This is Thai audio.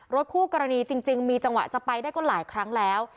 คู่กรณีจริงมีจังหวะจะไปได้ก็หลายครั้งแล้ว